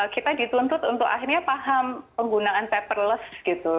kita dituntut untuk akhirnya paham penggunaan paperless gitu